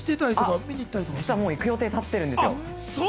実はもう行く予定立ってるんですよ。